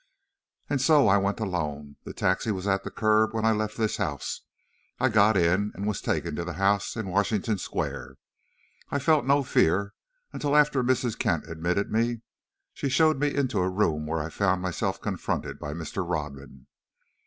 "And so, I went alone. The taxi was at the curb when I left this house. I got in, and was taken to the house in Washington Square. I felt no fear until, after Mrs. Kent admitted me, she showed me into a room where I found myself confronted by Mr. Rodman.